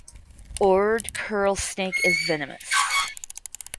Ord curl snake is venomous.